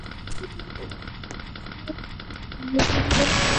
尖颖早熟禾为禾本科早熟禾属下的一个种。